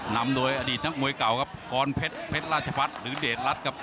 นำโดยอดีตนักมวยเก่าครับกรเพชรเพชรราชพัฒน์หรือเดชรัฐครับ